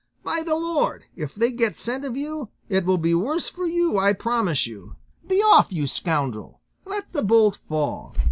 By the Lord, if they get scent of you, it will be worse for you, I promise you. Be off, you scoundrel! Let the bolt fall.